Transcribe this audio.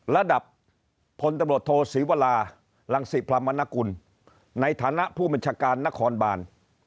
ระดับพตศิวราหลังศิพรมานกุลในฐานะผู้บัญชการนครบาล